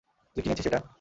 তুই কিনেছিস এটা?